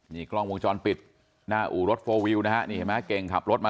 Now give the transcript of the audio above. นี่กล้องวงจรปิดหน้าอู่รถโฟลวิวนะฮะนี่เห็นไหมเก่งขับรถมา